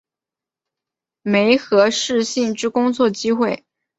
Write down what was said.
媒合适性之工作机会